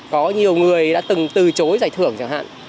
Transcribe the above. có nhiều người đã từng từ chối giải thưởng chẳng hạn